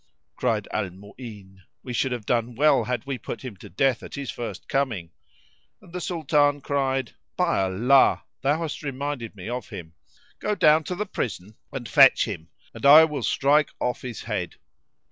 Cried Al Mu'ín, "We should have done well had we put him to death at his first coming;" and the Sultan cried "By Allah, thou hast reminded me of him! Go down to the prison and fetch him, and I will strike off his head."